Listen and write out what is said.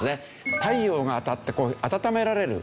太陽が当たって暖められる。